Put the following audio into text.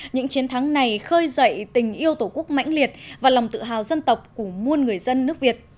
những chiến thắng này khơi dậy tình yêu tổ quốc mãnh liệt và lòng tự hào dân tộc của muôn người dân nước việt